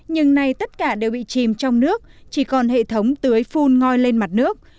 nhưng nay tất cả đều bị chìm trong nước chỉ còn hệ thống tưới phun ngòi lên mặt nước